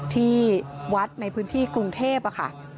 ที่วัดในพื้นที่กรุงเทพค่ะ